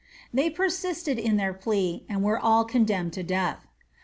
They pereisted in their plea, and were all condemned to death.'